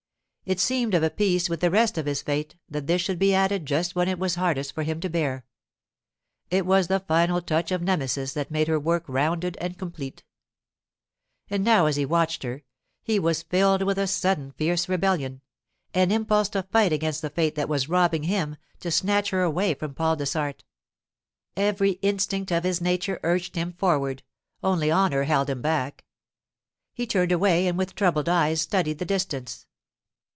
It seemed of a piece with the rest of his fate that this should be added just when it was hardest for him to bear. It was the final touch of Nemesis that made her work rounded and complete. And now, as he watched her, he was filled with a sudden fierce rebellion, an impulse to fight against the fate that was robbing him, to snatch her away from Paul Dessart. Every instinct of his nature urged him forward; only honour held him back. He turned away and with troubled eyes studied the distance.